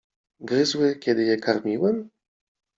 gryzły, kiedy je karmiłem?